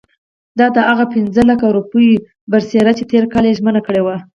دا د هغه پنځه لکه روپیو برسېره چې تېر کال یې ژمنه کړې وه.